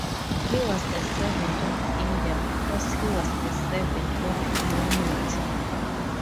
He was a servant of India because he was a servant of humanity.